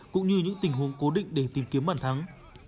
cũng như những tình huống cố định để tìm kiếm bàn thắng